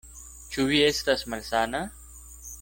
Ĉu vi estas malsana?